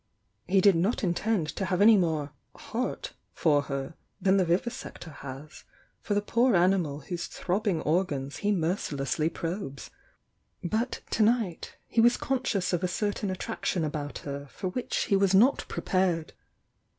He did not intend to have any more "heart" for her than the vivisector has for the poor animal whose throbbing organs he mercilessly probes; — ^but to night he was conscious of a certain attraction about her for which he was not prepared.